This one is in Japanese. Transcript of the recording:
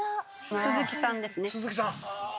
鈴木さんですね。